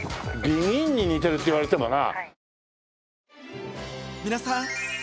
ＢＥＧＩＮに似てるって言われてもな。